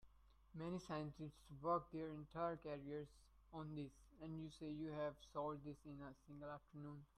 Many scientists work their entire careers on this, and you say you have solved this in a single afternoon?